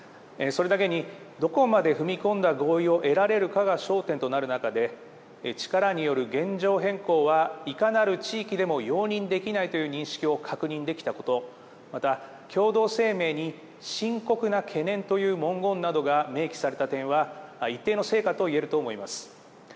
それだけに、どこまで踏み込んだ合意を得られるかが焦点となる中で、力による現状変更は、いかなる地域でも容認できないという認識を確認できたこと、また、共同声明に深刻な懸念という文言などが明記された点は、一定の成果といえると思います。